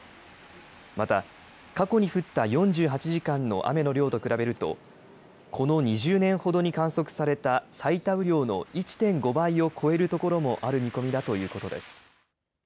また過去に降った４８時間の雨の量と比べるとこの２０年ほどに観測された最多雨量の１．５倍を超えるところもある見込みだということです。